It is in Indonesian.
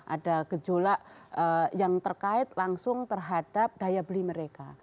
ada gejolak yang terkait langsung terhadap daya beli mereka